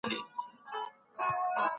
د زړه ناوړه غوښتني نه منل کېږي.